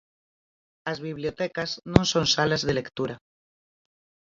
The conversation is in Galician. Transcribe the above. As bibliotecas non son salas de lectura.